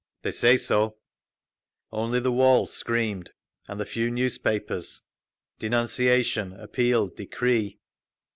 _ "They say so…." Only the walls screamed, and the few newspapers; denunciation, appeal, decree….